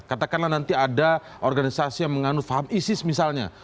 katakanlah nanti ada organisasi yang menganut famisis misalnya